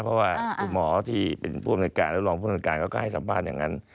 เพราะว่าที่หมอที่เป็นผู้โรงพื้นธรรมการเขาก็ให้สัมภาษณ์อย่างนั้น